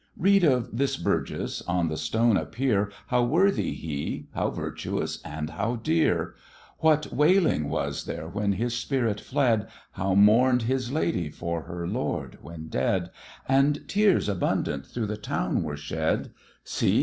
Read of this Burgess on the stone appear How worthy he! how virtuous! and how dear! What wailing was there when his spirit fled, How mourned his lady for her lord when dead, And tears abundant through the town were shed; See!